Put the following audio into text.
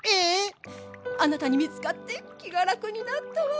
あなたに見つかって気が楽になったわ。